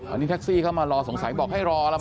อันนี้แท็กซี่เขามารอสงสัยบอกให้รอแล้วม